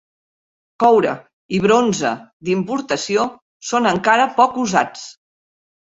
Coure i bronze d'importació són encara poc usats.